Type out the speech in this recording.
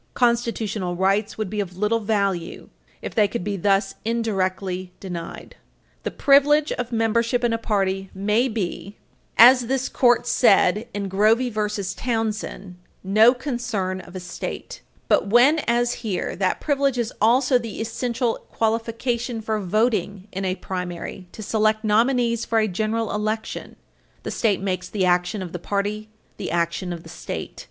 Constitutional rights would be of little value if they could be thus indirectly denied. Lane v. Wilson, 307 U. S. 268, 307 U. S. 275. The privilege of membership in a party may be, as this Court said in Grovey v. Townsend, 295 U. S. 45, 295 U. S. 55, no concern of a state. But when, as here, that privilege is also the essential qualification for voting in a primary to select nominees for a general election, the state makes the action Page 321 U. S. 665 of the party the action of the state.